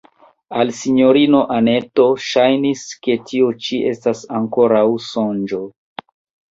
Al sinjorino Anneto ŝajnis, ke tio ĉi estas ankoraŭ sonĝo.